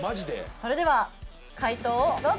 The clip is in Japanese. それでは解答をどうぞ。